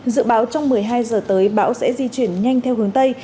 dự báo trong một mươi hai giờ tới bão sẽ di chuyển nhanh theo hướng tây